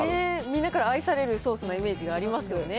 みんなから愛されるソースのイメージがありますよね。